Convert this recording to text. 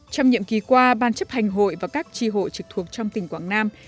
trong nhiệm kỳ qua ban chấp hành hội và các tri hội trực thuộc trong tỉnh quảng nam